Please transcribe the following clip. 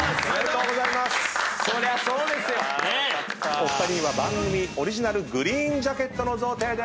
お二人には番組オリジナルグリーンジャケットの贈呈です！